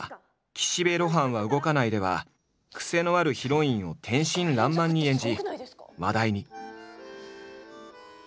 「岸辺露伴は動かない」ではクセのあるヒロインを天真らんまんに演じ話題に。